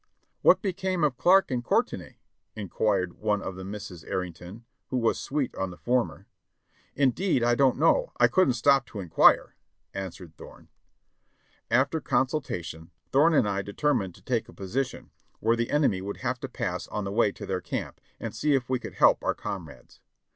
"What became of Clarke and Courtenay?" inquired one of the Misses Arrington, who was sweet on the former. "Indeed I don't know, I couldn't stop to inquire," answered Thorne. After consultation, Thorne and I determined to take a posi tion where the enemy would have to pass on the way to their camp, and see if we could help our comrades.